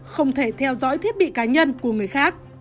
không thể theo dõi thiết bị cá nhân của người khác